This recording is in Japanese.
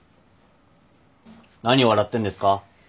何笑ってんですか？